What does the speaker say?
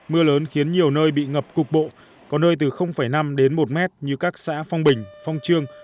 mưa lớn khiến nhiều nơi bị ngập cục bộ có nơi từ năm đến một mét như các xã phong bình phong trương